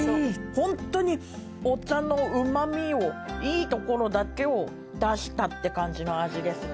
ホントにお茶のうま味をいいところだけを出したって感じの味ですね。